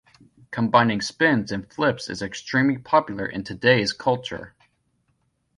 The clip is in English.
Combining spins and flips is extremely popular in today's culture.